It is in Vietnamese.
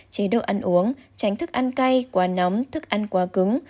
chế độ ăn uống tránh thức ăn cay quá nóng thức ăn quá cứng